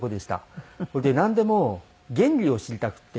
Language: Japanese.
それでなんでも原理を知りたくて。